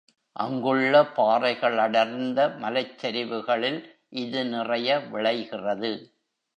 அங்குள்ள பாறைகளடர்ந்த மலைச்சரிவுகளில் இது நிறைய விளைகிறது.